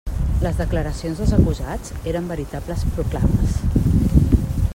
Les declaracions dels acusats eren veritables proclames.